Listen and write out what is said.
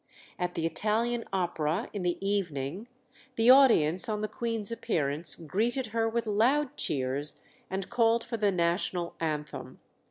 At the Italian Opera in the evening the audience, on the Queen's appearance, greeted her with loud cheers, and called for the national anthem.